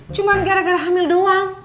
cuma gara gara hamil doang